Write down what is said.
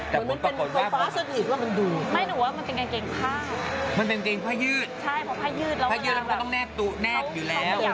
มันเป็นกางเกงผ้ายืดผ้ายืดแล้วมันก็ต้องแนกตู้แนกอยู่แล้ว